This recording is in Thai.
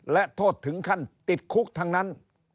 และโทษถึงขั้นติดคุกทั้งนั้น